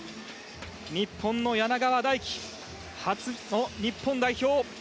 日本の柳川大樹初の日本代表